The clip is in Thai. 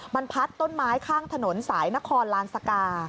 มันพัดต้นไม้ข้างถนนสายนครลานสกา